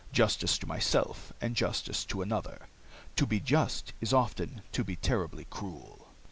Justice to myself and justice to another. To be just is often to be terribly cruel."